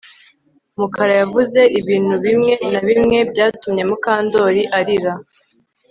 Mukara yavuze ibintu bimwe na bimwe byatumye Mukandoli arira